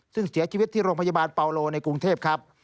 ซึ่งเสียชีวิตที่โรงพยาบาลเปาโลในกรุงเทพครับ